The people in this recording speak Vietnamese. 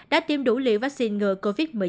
đã tiêm đủ liều vaccine ngừa covid một mươi chín